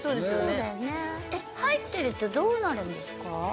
入ってるとどうなるんですか？